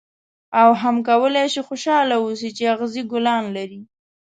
او هم کولای شې خوشاله اوسې چې اغزي ګلان لري.